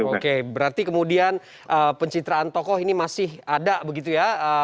oke berarti kemudian pencitraan tokoh ini masih ada begitu ya